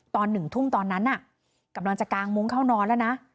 ตอน๑ทุ่มตอนนั้นกำลังจะกางมุ้งเข้านอนแล้วนะ